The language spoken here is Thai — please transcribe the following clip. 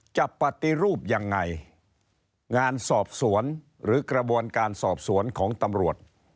ปฏิรูปยังไงงานสอบสวนหรือกระบวนการสอบสวนของตำรวจ